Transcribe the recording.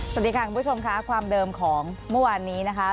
สวัสดีค่ะคุณผู้ชมค่ะความเดิมของเมื่อวานนี้นะคะ